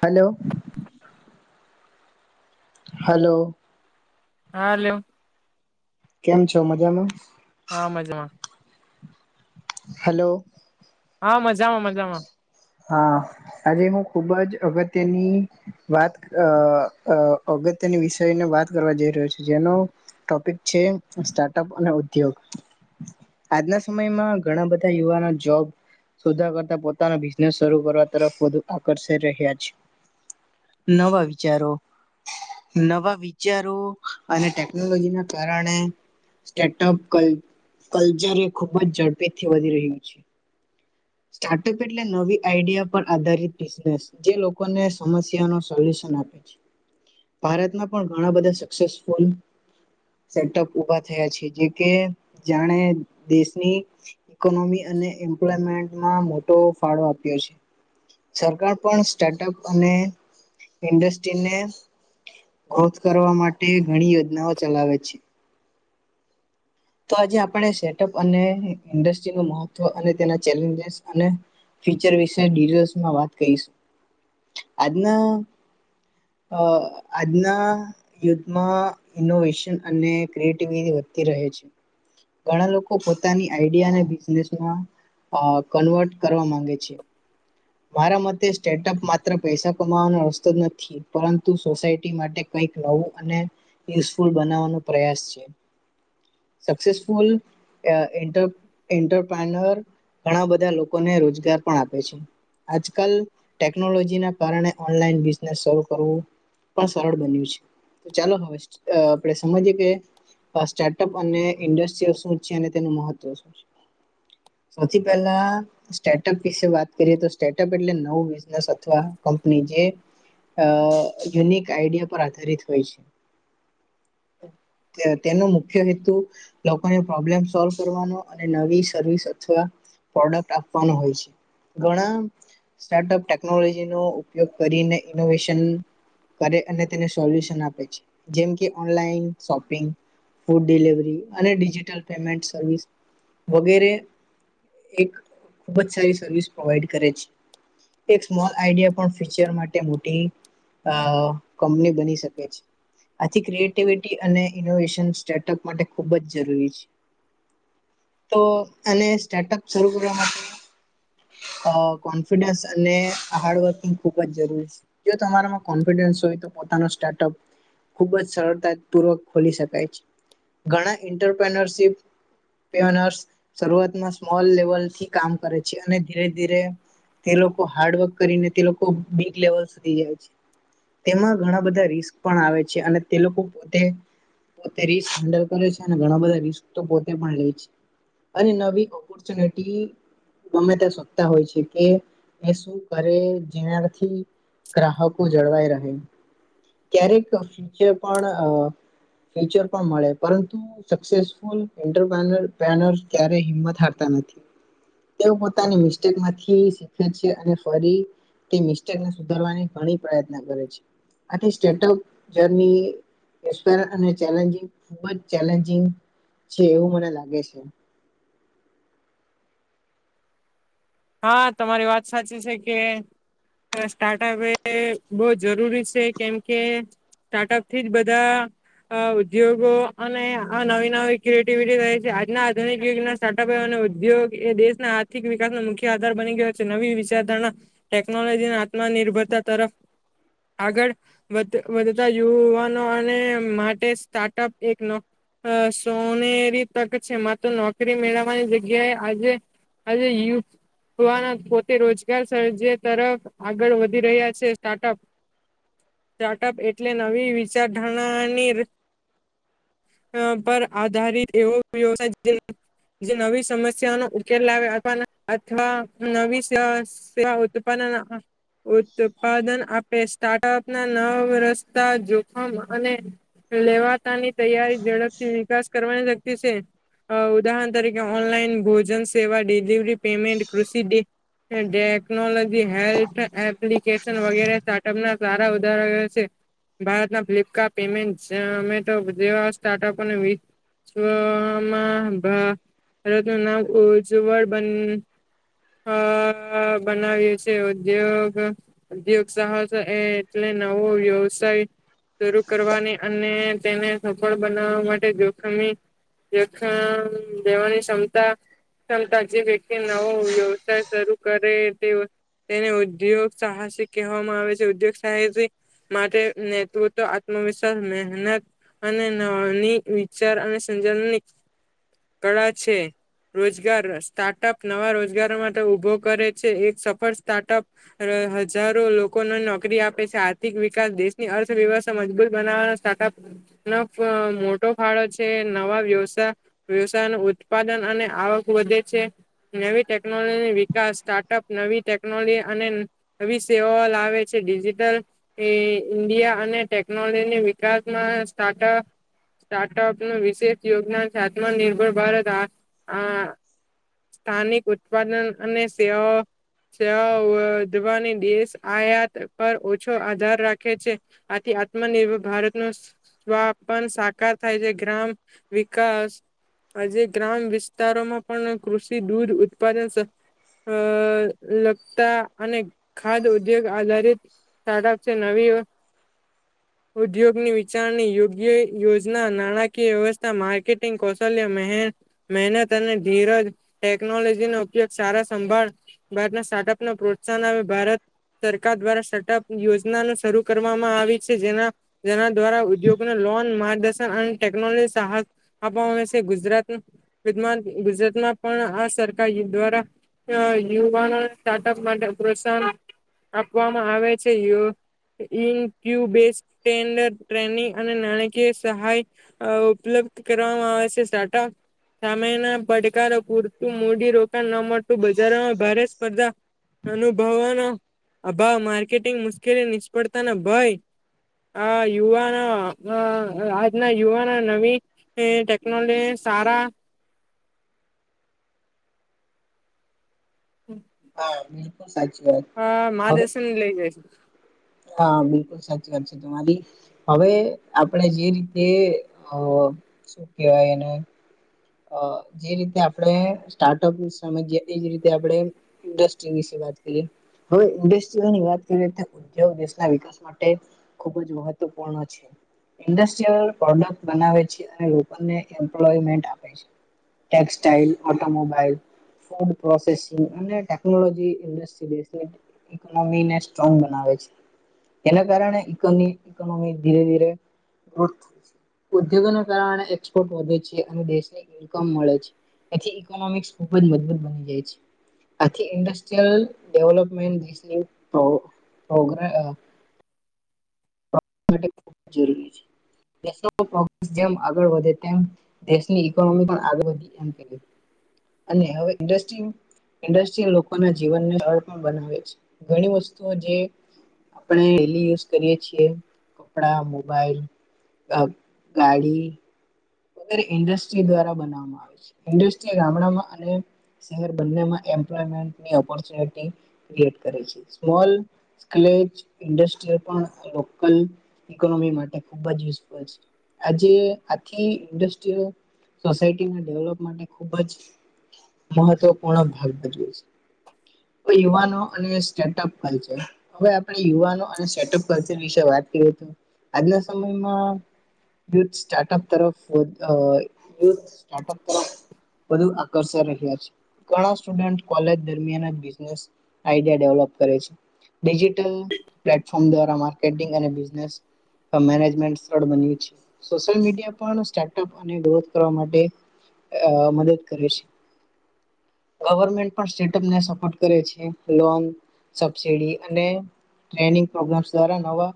Hello hello હાલો કેમ છો મજામાં? હા મજામાં. હલો હા મજામાં મજામાં. હા આજે હું ખુબ જ અગત્યની વાત અ અગત્યની વિષયને વાત કરવા જઈ રહ્યો છે જેનો ટોપિક છે સ્ટાર્ટઅપ અને ઉદ્યોગ આજના સમયમાં ઘણા બધા યુવાનો જોબ શોધા કરતા પોતાના શરૂ કરવા તરફ વધુ આકર્ષી રહ્યા છે નવા વિચારો નવા વિચારો અને ટેકનોલોજી ના કારણે સ્ટેટપ ક કલ્ચર એ ખુબ જ ઝડપેથી વધી રહ્યું છે. સ્ટાર્ટઅપ એ નવી આઈડિયા પર આધારિત બિઝનેસ જે લોકોને સમસ્યા ન સોલ્યુશન આપે છે. ભારતમાં પણ ઘણા બધા સક્સેસફુલ સેટઅપ ઉભા થયા છે જે કે જાણે દેશની ઇકોનોમી અને એમ્પ્યમેન્ટમાં મોટો ફાળો આપ્યો છે. સરકાર પણ સ્ટાર્ટઅપ અને ઇન્ડસ્ટ્રીને ખોધ કરવા માટે ઘણી યોજનાઓ ચલાવે છે. તો આજે આપણે સેટઅપ અને ઇન્ડસ્ટ્રી ન મહત્વ અને તેના ચેલેન્જસ અને ફીચર વિશેસમાં વાત કરીશું આજના અ આજના યુદ્ધમાં ઇનોવેશન અને ક્રિએટિવિટી વધતી રહે છે. ઘણા લોકો પોતાની આઈડિયા અને બિઝનેસમાં અ કન્વર્ટ કરવા માંગે છે. મારા મતે સ્ટેટઅપ માત્ર પૈસા કમાવાનો રસ્તો નથી પરંતુ સોસાયટી માટે કઈક નવું અને યુઝફુલ બનાવવાનો પ્રયાસ છે. સક્સેસફુલ એન્ટર એન્ટરપ્રાનર ઘણા બધા લોકોને રોજગાર પણ આપે છે. આજકાલ ટેકનોલોજી ના કારણે ઓનલાઈન બિઝનેસ શરૂ કરવું. પણ સરળ બન્યું છે તો ચાલો હવે આપણે સમજીએ કે સ્ટાર્ટઅપ અને ઇન્ડસ્ટ્રી શું છે અને તેનું મહત્વ શું છે. સૌથી પહેલા સ્ટાર્ટઅપ વિશે વાત કરીએ તો સ્ટાર્ટઅપ એટલે નવું બિઝનેસ અથવા કંપની જે અ યુનિક આઈડિયા પર આધારિત હોય છે. [unintelligible] તેનો મુખ્ય હેતુ લોકોને પ્રોબ્લેમ સોલ્વ કરવાનો અને નવી સર્વિસ અથવા પ્રોડક્ટ આપવાનો હોય છે ઘણા સ્ટાર્ટઅપ ટેકનોલોજી નો ઉપયોગ કરીને ઇનોવેશન કરે અને તેને સોલ્યુશન આપે છે જેમ કે ઓનલાઈન શોપિંગ ફૂડ ડિલવરી અને ડિજિટલ પેમેન્ટ સર્વિસ વગેરે એક ખુબ જ સારી સર્વિસ પ્રોવાઈડ કરે છે. એક સ્મોલ આઈડિયા પણ ફીચર માટે મોટી અ કંપની બની શકે છે. આથી ક્રિએટિવિટી અને ઇનોવેશન સ્ટાર્ટઅપ માટે ખુબ જ જરૂરી છે. તો એને સ્ટાર્ટઅપ શરૂ કરવા માટે અ કોન્ફિડન્સ અને હાર્ડ વર્કિંગ ખુબ જ જરૂરી છે. જો તમારામાં કોન્ફિડન્સ હોય તો પોતાનો સ્ટાર્ટઅપ ખૂબ જ સરળતા પૂર્વક ખોલી શકાય છે ઘણા એન્ટરપનરશીપ શરૂઆતમાં સ્મોલ લેવલથી કામ કરે છે. અને ધીરે ધીરે તે લોકો હાર્ડવર્ક કરીને તે લોકો બીગ લેવલ સુધી જાય છે. તેમાં ઘણા બધા રિસ્ક પણ આવે છે. અને તે લોકો પોતે પોતે રિસ્ક હેન્ડલ કરે છે. અને ઘણા બધા રિસ્ક તો પોતે પણ લે છે. અને નવી ઓપોર્ચુનિટી ગમેતા શકતા હોય છે. કે એ શું કરે જેનાથી ગ્રાહકો જળવાય રહે. ક્યારેક ફુયુચર પણ ફ્યુચર પણ મળે પરંતુ સક્સેસફુલ ઇંટરપેનર ત્યારે હિંમત હારતા નથી. એવ પોતાની મિસ્ટેકમાં થી શીખે છે અને ફરી મિેસટેકને સુધારવા ઘણી પ્રયત્ન કરે છે. આ થિ સ્ટેટઅપ જર્ની [unintelligible] ચેલેન્જિંગ ખુબ જ ચેલેન્જિંગ છે એવું મને લાગે છે. હા તમારી વાત સાચી છે કે સ્ટાર્ટઅપ એ બહુ જરૂરી છે કેમ કે સ્ટાર્ટઅપ થી જ બધા અ ઉદ્યોગો અને આ નવી નવી ક્રિએટિવિટી રહે છે આજના આધુનિક યુગના સ્ટાર્ટઅપ અને ઉદ્યોગ એ દેશના આર્થિક વિકાસનો મુખ્ય આધાર બની ગયો છે નવી વિચારધારણા ટેકનોલોજીને આત્મનિર્ભરતા તરફ આગળ વધ વધતા યુવાનો અને માટે સ્ટાર્ટઅપ એક ન અ સોનેરી તક છે માત્ર નોકરી મેળવવાની જગ્યાએ આજે આ જાય યુ, જોવાના પોતે રોજગાર સ જે તરફ આગળ વધી રહ્યા છે સ્ટાર્ટઅપ સ્ટાર્ટઅપ એટલે નવી વિચારધારણાની પર આધારિત એવો વ્યવસાય જે નવી સમસ્યા નો ઉકેલ લાવે અવાને અથવા નવી સેવા સ ઉત્પન્ના ઉત્પાદન આપે સ્ટાર્ટઅપ ના નવ રસ્તા જોખમ અને લેવાતાની તૈયારી ઝડપથી વિકાસ કરવાની શક્તિ છે. ઉદાહરણ તરીકે ઓનલાઈન ભોજન સેવા ડિલિવરી પેમેન્ટ કૃષિે ટેકનોલોજી હેલ્થ એપ્લિકેશન વગેરે સ્ટાર્ટઅપ ના સારા ઉદાહરણ છે. ભારતના ફ્લિપકાર્ટ પેમેન્ટ ઝોમેટો જેવા સ્ટાર્ટઅપને વ માં ભા રતનું ઉજ્જવળ બન હ બનાવ્યું છે ઉદ્યોગ ઉદ્યોગ સાહસ એ એટલે નવો વ્યવસાય શરૂ કરવાની અને તેને સફળ બનાવવા માટે જોખમી જોખમ દેવાની ક્ષમતા ક્ષમતા જે કે નવો વ્યવસાય શરૂ કરે તે તેને ઉદ્યોગ સાહસિક કહેવામાં આવે છે ઉદ્યોગ સાહસિક માટે નેતૃત્વ આત્મવિશ્વાસ મહેનત અને નવી વિચાર અને સંજ કળા છે રોજગાર સ્ટાર્ટઅપ નવા રોજગારો માટે ઉભો કરે છે એક સફળ સ્ટાર્ટઅપ હજારો લોકોને નોકરી આપે છે આર્થિક વિકાસ દેશની અર્થવ્યવસ્થા મજબૂત બનાવવાના છાતા નો મોટો ફાળો છે નવા વ્યવસાય વ્યવસાય ન ઉત્પાદન અને આવક વધે છે. નવી ટેકનોલોજી વિકાસ સ્ટાર્ટઅપ નવી ટેકનોલોજી અને આવી સેવાઓ લાવે છે ડિજિટલ એ ઈન્ડિયા અને ટેકનોલોજીની વિકાસમાં સ્ટાર્ટઅપ સ્ટાર્ટઅપ નું વિશેષ યોગદાન છે આત્મનિર્ભર ભારત સ્થાનિક ઉત્પાદન અને સેવા સ વધવાની દેશ આયાત પર ઓછો આધાર રાખે છે આથી આત્મનિર્ભર ભારત ન સ્વાપન સાકાર થાય છે ગ્રામ વિકાસ આજે ગ્રામ વિસ્તારોમાં પણ કૃષિ દૂધ ઉત્પાદન અ લગતા અને ખાદ ઉદ્યોગ આધારિત સારબ છે નવી [inaudible] ઉદ્યોગની વિચારણી યોગ્ય યોજના નાણાકીય વ્યવસ્થા માર્કેટિંગ કૌશલ્ય મહેન મેહેનત અને ધીરજ ટેકનોલોજી નો ઉપયોગ સારા સંભાળ ભારત સ્ટાર્ટઅપને પ્રોત્સાહન આવે ભારત સરકાર દ્વારા સર્ટઅપ યોજના ન શરૂ કરવામાં આવી છે જેના જેના દ્વારા ઉદ્યોગોને લોન માર્ગદર્શન અને ટેકનોલોજી સહાય આપ હમે છે ગુજરાત વિમાન ગુજરાતમાં પણ આ સરકાર દ્વારા યુવાનો સ્ટાર્ટઅપ માટે પ્રોત્સાહન આપવામાં આવે છે એવો ન્યુ [unintelligible] અને નાણાકીય સહાય આ ઉપલબ્ધ કરવામાં આવે છે સ્ટાર્ટઅપ સામેના પડકારો પૂરતું મૂડી રોકાણ ન મળતું બજારોમાં ભારે સ્પર્ધા અનુભવવાનો અભાવ માર્કેટિંગ મુશ્કેલી નિષ્ફળતાનો ભય આ યુવાનો આ આજના યુવાનો નવી એ ટેકનોલે સારા હમ. હા બિલકુલ સાચી વાત. આ હવે માર્ગદર્શન લઈ જાય છે. હા બિલકુલ સાચી વાત છે તમારી હવે આપણે જે રીતે અ શું કેહેવાય એને અ જે રીતે આપણે સ્ટાર્ટઅપ ની સમજીએ તે જ રીતે આપણે ઇન્ડસ્ટ્રી વિશે વાત કરીએ. હવે ઇન્ડસ્ટ્રીઓની વાત કરીએ તો તેઓ દેશના વિકાસ માટે ખુબ જ મહત્વપૂર્ણ છે. ઇન્ડસ્ટ્રીયલ પ્રોડક્ટ બનાવે છે અને લોકોને એમ્પ્લોયમેન્ટ આપ ટેક્સટાઈલ ઓટોમોબાઈલ ફૂડ પ્રોસેસિંગ અને ટેકનોલોજી ઇન્ડસ્ટ્રી ને ઇકોનોમી ને સ્ટ્રોંગ બનાવે છે. એના કારણે ઈકો ઇકોનોમી ધીરે ધીરે ગ્રોથ ઉદ્યોગો ના કારણે એક્સપોર્ટ વધે છે અને દેશ ને ઇન્કમ મળે છે એથી ઇકોનોમિક ખુબ જ મજબૂત બની જાય છે. આથી ઇન્ડસ્ટ્રીયલ ડેવલપમેન્ટગ [unintelligible] [unintelligible] ખૂબ જરૂરી છે નેશનલ પ્રોગ્રેસર જેમ આગળ વધે તેમ દેશની ઇકોનોમી પણ આગ વધી એમ અને હવે ઇન્ડસ્ટ્રી ઇન્ડસ્ટ્રીયલ લોકોના જીવન ને [unintelligible] પણ બનાવે છે ઘણી વસ્તુઓ જે આપણે ડે લી યુઝ કરીએે છીએ કપડા મોબાઈલ ગા ગાડી [unintelligible] ઇન્ડસ્ટ્રી દ્વારા બનાવામાં આવે છે ઇન્ડસ્ટ્રી ગામડામાં અને શહેર બંનેમાં એમ્પ્લોયમેન્ટની ઓપોર્ચ્યુનિટી ક્રિએટ કરે છે સ્મોલ સ્ક્લેજ ઇન્ડસ્ટ્રીય પણ લોકલ ઇકોનોમી માટે ખુબ જ યુઝફુલ છે. આજે આથી ઇન્ડસ્ટ્રીયલ સોસાયટીના ડેવલપ માટે ખૂબ જ મહત્વપૂર્ણ ભાગ ભજવે છે. કોઈ યુવાનો અને સ્ટાર્ટઅપ [unintelligible] છે. હવે આપણે યુવાનો અને સેટઅપ વિશે વાત કરીએ તો આજના સમયમાં યુથ સ્ટાર્ટઅપ તરફય વધતા હોય યુથ સ્ટાર્ટઅપ તરફ બધું આકર્ષણ રહ્યા છે. ઘણા સ્ટુડન્ટ કોલેજ દરમિયાન જ બિઝનેસ આઈડિયા ડેવલપ કરે છે. ડિજિટલ પ્લેટફોર્મ દ્વારામા સ્કેટિંગ અને બિઝનેસ આ મેનેજમેન્ટ સરળ બન્યું છે સોશિયલ મીડિયા પણ સ્ટાર્ટઅપ અને ગ્રોથ કરવા માટે આ મદદ કરે છે. ગવર્મેન્ટ પણ સ્ટેટઅપને સપોર્ટ કરે છે લોન સબસડી અને ટ્રેનિંગ પ્રોગ્રામ દ્વારા નવા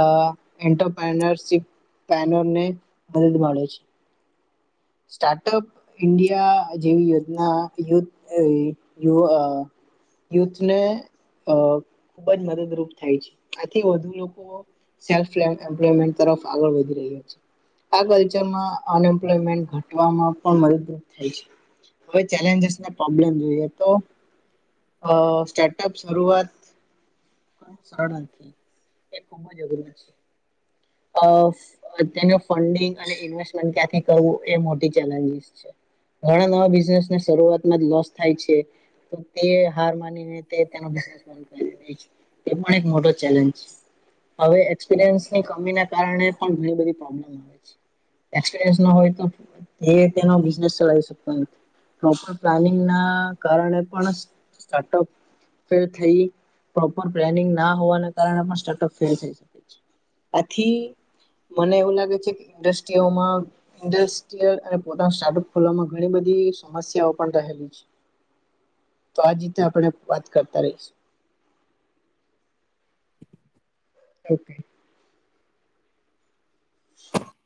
આ એન્ટર પેનેટ શીપ કાનૂન ને મદદ મળે છે. સ્ટાર્ટઅપ ઇન્ડિયા જેવી યોજના યુદ્ધ આ યુવા યુથ ને અ ખુબ જ મદદરૂપ થાય છે આથી વધુ લોકો સેલ્ફ લે એમ્પ્લોયમેન્ટ તરફ આગળ વધી રહ્યો છે. આ કલ્ચરમાં અન એમ્પ્લોયમેન્ટ ગોઠવામાં પણ મદદરૂપ થાય છે હવે ચેલેજસને પ્રોબ્લેમ જોઈએ તો અ સ્ટાર્ટઅપ શરૂઆત સડખે એ ખુબ જ અઘરૂ છે અ તેનું ફંડિંગ અને ઇન્વેસ્ટમેન્ટ ક્યાંથી કરવું એ મોટી ચેલેન્જીસ છે ઘણા નવા બિઝનેસને શરૂઆતમાં જ લોસ થાય છે તો તે હાર માની કરી તે પણ એક મોટો ચેલેન્જ છે હવે એક્સપિરિયન્સની કમી ના કારણે પણ ઘણી બધી પ્રોબ્લેમ આવે છે એસપરયન્સ ના હોય તો તે તેનો બિઝનેસ ચલાવી શકતો નથી પ્રોપર પ્લાનિંગ ના કારણે પણ સ્ટાર્ટઅપ ફેલ થઈ પ્રોપર પ્લાનિંગ ના હોવાને કારણે પણ સ્ટાર્ટઅપ ફેલ થઈ શ પછી મને એવું લાગે છે કે ઇન્ડસ્ટ્રીઓમાં ઇન્ડસ્ટ્રીયલ અને પોતાના સ્ટાર્ટઅપ ખોલવામાં ઘણી બધી સમસ્યાઓ પણ રહેલી છે તો આજ રીતે આપણે વાત કરતા રહીશું ઓકે [inaudible]